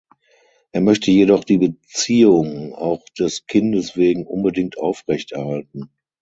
Er möchte jedoch die Beziehung auch des Kindes wegen unbedingt aufrecht erhalten.